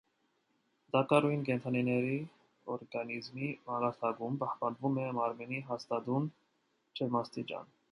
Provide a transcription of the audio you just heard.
Տաքարյուն կենդանիների օրգանիզմի մակարդակում պահպանվում է մարմնի հաստատուն ջերմաստիճան։